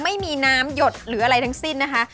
ไม่มีน้ำหยดหรืออะไรทั้งสิ้นนะคะ